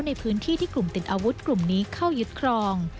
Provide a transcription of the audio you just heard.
ในพื้นที่ที่กลุ่มติดอาวุธกลุ่มนี้เข้ายึดครอง